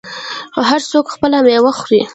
هر څوک خپله میوه خوري.